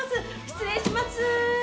失礼します。